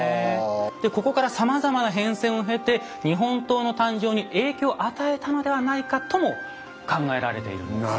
でここからさまざまな変遷を経て日本刀の誕生に影響を与えたのではないかとも考えられているんです。